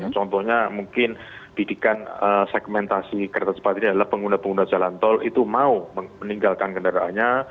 contohnya mungkin bidikan segmentasi kereta cepat ini adalah pengguna pengguna jalan tol itu mau meninggalkan kendaraannya